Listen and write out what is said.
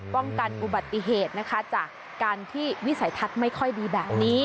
ป้องกันอุบัติเหตุนะคะจากการที่วิสัยทัศน์ไม่ค่อยดีแบบนี้